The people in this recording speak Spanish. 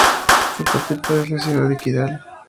Su capital es la ciudad de Kidal.